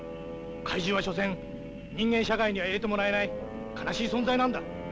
怪獣は所詮人間社会には入れてもらえない悲しい存在なんだ。